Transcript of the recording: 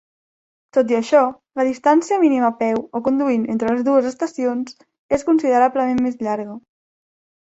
Tot i això, la distància mínima a peu o conduint entre les dues estacions és considerablement més llarga.